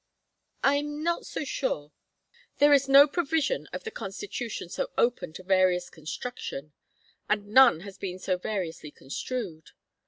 "I am not so sure. There is no provision of the Constitution so open to various construction. And none has been so variously construed.